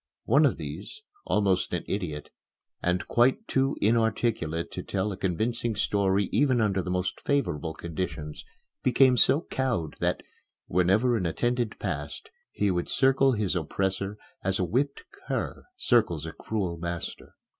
One of these, almost an idiot, and quite too inarticulate to tell a convincing story even under the most favorable conditions, became so cowed that, whenever an attendant passed, he would circle his oppressor as a whipped cur circles a cruel master.